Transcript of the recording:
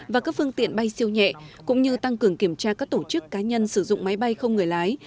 và các phương tiện bay siêu nhẹ cũng như tăng cường kiểm tra các tổ chức cá nhân sử dụng máy bay không người lái